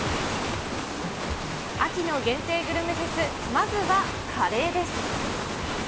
秋の限定グルメフェス、まずはカレーです。